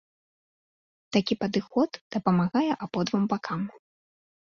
Такі падыход дапамагае абодвум бакам.